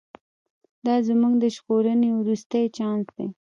دا زموږ د ژغورنې وروستی چانس دی.